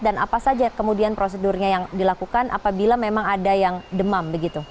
dan apa saja kemudian prosedurnya yang dilakukan apabila memang ada yang demam